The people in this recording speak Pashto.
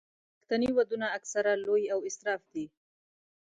پښتني ودونه اکثره لوی او اسراف دي.